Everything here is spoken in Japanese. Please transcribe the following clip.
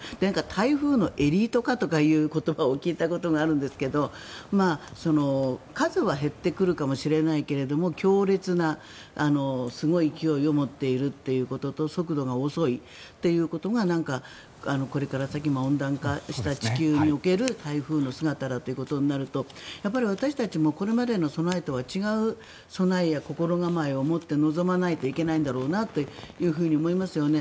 台風のエリート化とかいう言葉を聞いたことがあるんですが数は減ってくるかもしれないけど強烈なすごい勢いを持っているということと速度が遅いということがこれから先の温暖化した地球における台風の姿だということになると私たちもこれまでの備えとは違う備えや心構えを持って臨まないといけないんだろうなと思いますよね。